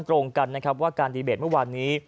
ตรงกันว่าการดีเบตเมื่อวานนี้